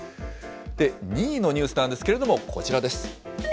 で、２位のニュースなんですけれども、こちらです。